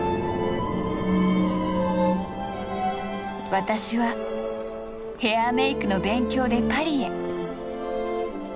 私はヘアメイクの勉強でパリへ。